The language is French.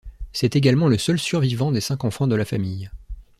C'est également le seul survivant des cinq enfants de la famille.